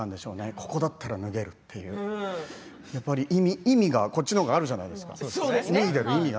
ここだったらね脱げるっていう意味が、こっちの方が、あるじゃないですか脱いでる意味が。